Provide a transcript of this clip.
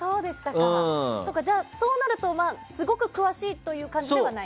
そうなると、すごく詳しいという感じではない？